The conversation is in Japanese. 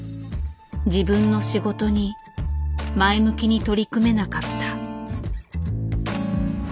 自分の仕事に前向きに取り組めなかった。